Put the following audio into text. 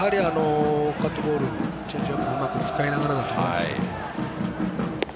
カットボールにチェンジアップをうまく使いながらだと思います。